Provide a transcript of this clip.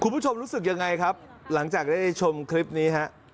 คุณผู้ชมรู้สึกยังไงครับหลังจากได้ชมคลิปนี้ฮะ